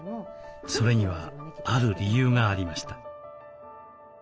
それにはある理由がありました。